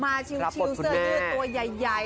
มาชิลเสื้อชื่อตัวใหญ่